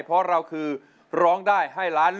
เพราะเราคือร้องได้ให้ล้าน